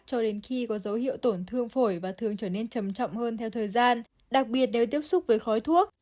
cho đến khi có dấu hiệu tổn thương phổi và thường trở nên trầm trọng hơn theo thời gian đặc biệt nếu tiếp xúc với khói thuốc